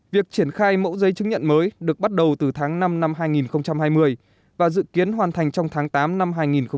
việc triển khai mẫu giấy chứng nhận mới được bắt đầu từ tháng năm năm hai nghìn hai mươi và dự kiến hoàn thành trong tháng tám năm hai nghìn hai mươi